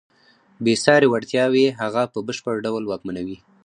بېساري وړتیاوې هغه په بشپړ ډول واکمنوي.